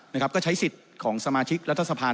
นะครับก็ใช้สิทธิ์ของสมาชิกรัฐสภา